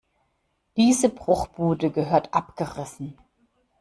Diese Bruchbude gehört abgerissen.